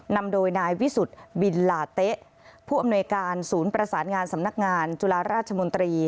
นำโดยนายวิสุทธิ์บินลาเต๊ะผู้อำนวยการศูนย์ประสานงานสำนักงานจุฬาราชมนตรี